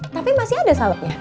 tapi masih ada salepnya